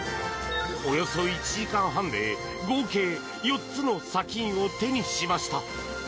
およそ１時間半で合計４つの砂金を手にしました。